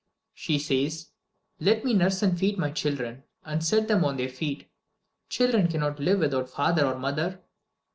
She says: "Let me nurse and feed my children, and set them on their feet. Children cannot live without father or mother."